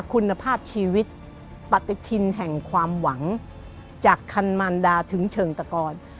คุณภาพชีวิตปฏิทินแห่งความหวังจากคันมารดาถึงเชิงตะกร